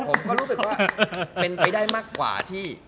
ผมก็รู้สึกว่าเป็นไปได้มากกว่าที่